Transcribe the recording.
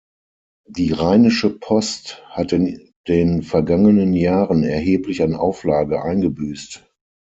Die "Rheinische Post" hat in den vergangenen Jahren erheblich an Auflage eingebüßt.